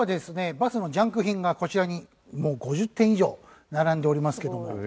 バスのジャンク品がこちらにもう５０点以上並んでおりますけども。